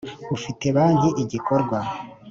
ufite banki igikorwa